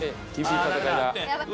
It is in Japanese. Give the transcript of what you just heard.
厳しい戦いだ。